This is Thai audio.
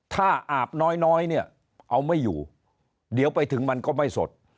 ถ้าอาบน้อยเนี่ยเอาไม่อยู่เดี๋ยวไปถึงมันก็ไม่สด